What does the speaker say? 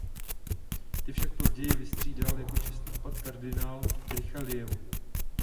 Ty však později vystřídal jako čestný opat kardinál Richelieu.